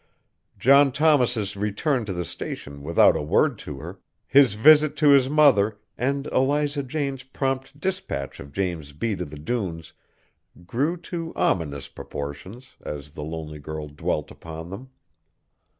John Thomas's return to the Station without a word to her, his visit to his mother and Eliza Jane's prompt despatch of James B. to the dunes, grew to ominous proportions, as the lonely girl dwelt upon them.